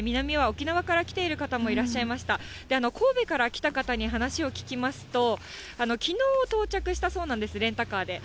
神戸から来た方に話を聞きますと、きのう到着したそうなんです、レンタカーで。